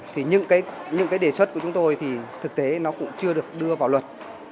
thì những cái đề xuất của chúng tôi thì thực tế nó cũng chưa được đưa vào luật